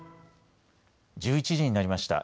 １１時になりました。